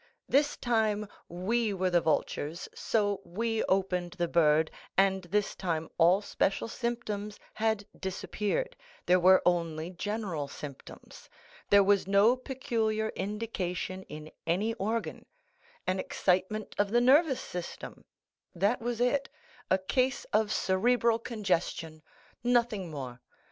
This time we were the vultures; so we opened the bird, and this time all special symptoms had disappeared, there were only general symptoms. There was no peculiar indication in any organ—an excitement of the nervous system—that was it; a case of cerebral congestion—nothing more.